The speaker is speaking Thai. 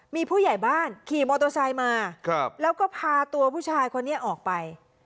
มีผู้ใหญ่บ้านขี่มอเตอร์ไซค์มาแล้วก็พาตัวผู้ชายคนนี้ออกไป